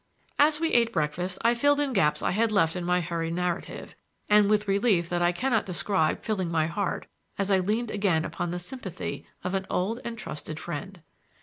As we ate breakfast I filled in gaps I had left in my hurried narrative, with relief that I can not describe filling my heart as I leaned again upon the sympathy of an old and trusted friend.